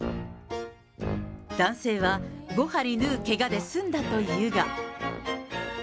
男性は、５針縫うけがで済んだというが。